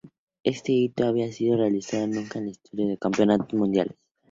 Este hito no había sido realizado nunca en la historia de los campeonatos mundiales.